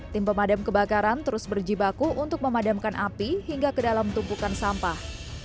tim pemadam kebakaran terus berjibaku untuk memadamkan api hingga ke dalam tumpukan sampah